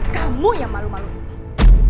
kamu yang malu maluin mas